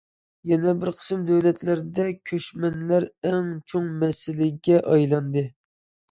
يەنە بىر قىسىم دۆلەتلەردە كۆچمەنلەر ئەڭ چوڭ مەسىلىگە ئايلاندى.